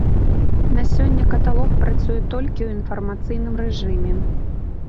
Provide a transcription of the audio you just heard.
На сёння каталог працуе толькі ў інфармацыйным рэжыме.